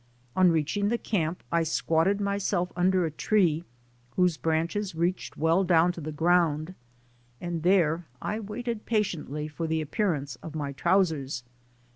On reaching the camp, I squatted myself under a tree, whose branches reached well down to the ground and there I waited patiently for the appearance of my trousers.